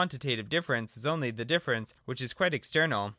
titative difference is only the difference' whicli is quite ex ternal.